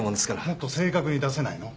もっと正確に出せないの？